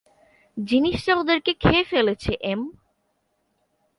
জিনিসটা ওদেরকে খেয়ে ফেলেছে, এম।